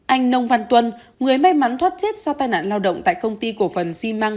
anh nông văn tuân người may mắn thoát chết do tai nạn lao động tại công ty cổ phần xi măng